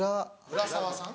・浦沢さん？